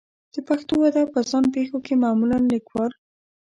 د پښتو ادب په ځان پېښو کې معمولا لیکوال